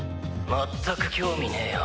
「全く興味ねえよ。